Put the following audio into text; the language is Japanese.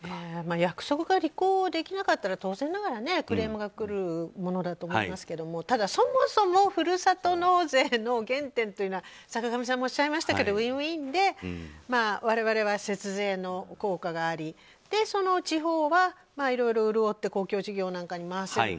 約束が履行できなかったら当然ながらクレームが来るものだと思いますけどそもそもふるさと納税の原点は坂上さんもおっしゃいましたがウィンウィンで我々は節税の効果があり地方は、いろいろ潤って公共事業などに回せると。